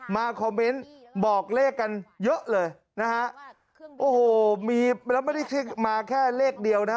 มาคอมเมนต์บอกเลขกันเยอะเลยนะฮะโอ้โหมีแล้วไม่ได้มาแค่เลขเดียวนะ